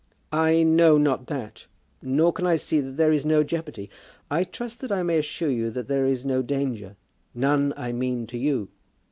"I know not that; nor can I see that there was no jeopardy. I trust that I may assure you that there is no danger; none, I mean, to you.